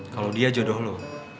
kalau dia jodoh lo